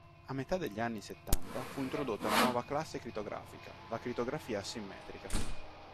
A metà degli anni settanta fu introdotta una nuova classe crittografica: la crittografia asimmetrica.